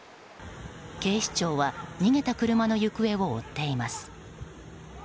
警視庁は逃げた車の行方を追っています。